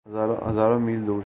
ہزاروں میل دور سے۔